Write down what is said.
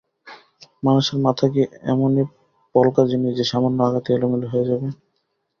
মানুষের মাথা কি এমনই পলকা জিনিস যে সামান্য আঘাতেই এলোমেলো হয়ে যাবে?